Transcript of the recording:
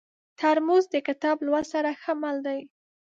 ترموز د کتاب لوست سره ښه مل دی.